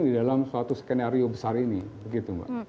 di dalam suatu skenario besar ini begitu mbak